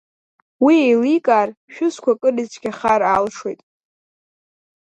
Уи иеиликаар, шәусқәа акыр ицәгьахар алшоит.